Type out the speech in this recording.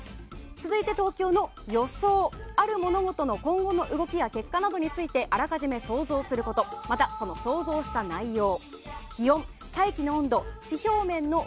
続いて東京の予想あるものの今後の動きや結果などについて結果などについてあらかじめ想像することまた想像する内容。